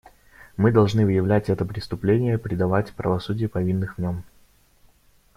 Мы должны выявлять это преступление и предавать правосудию повинных в нем.